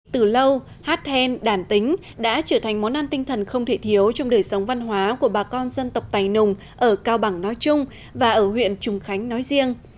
từ lâu hát then đàn tính đã trở thành món ăn tinh thần không thể thiếu trong đời sống văn hóa của bà con dân tộc tài nùng ở cao bằng nói chung và ở huyện trùng khánh nói riêng